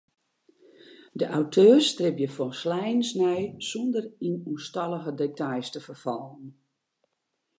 De auteurs stribje folsleinens nei sûnder yn oerstallige details te ferfallen.